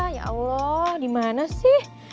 ya allah dimana sih